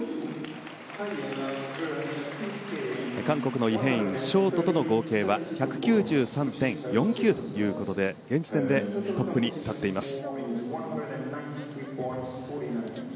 韓国のイ・ヘインショートとの合計は１９３．４９ということで現時点でトップに立っています。